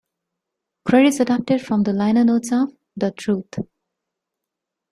Credits adapted from the liner notes of "The Truth".